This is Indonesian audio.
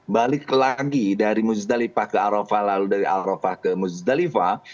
balik lagi dari bustalifah ke arofah lalu dari arofah ke bustalifah